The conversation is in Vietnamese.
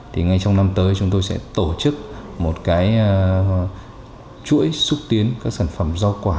thì ngay trong năm tới chúng tôi sẽ tổ chức một cái chuỗi xúc tiến các sản phẩm rau quả